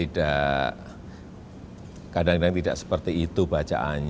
dan yang masih tidak bisa diberi kesempatan